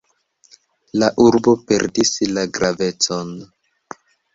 La urbo perdis la gravecon.